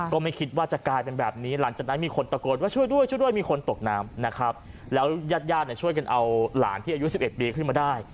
ก็ไม่คิดว่าจะกลายเป็นแบบนี้หลังจากนั้นมีคนตะโกนว่าช่วยด้วยช่วยด้วยมีคนตกน้ำนะครับแล้วยาดเนี่ยช่วยกันเอาหลานที่อายุ๑๑ปีขึ้นมาได้